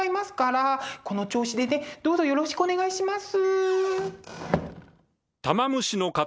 この調子でねどうぞよろしくお願いします。